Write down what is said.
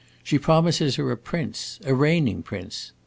She promises her a prince a reigning prince.